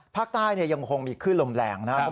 ภาคใต้ยังคงมีขึ้นลมแรงนะครับ